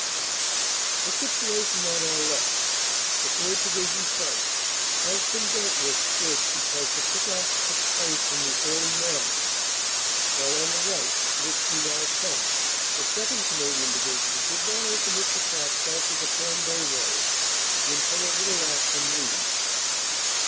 The situation on our left, the 3rd. Division front, has been dealt with first because the kick off took place in the early morning, while on the right, to which we now come, the 2nd. Canadian Division did not open its attack south of the Cambrai road until a little after noon.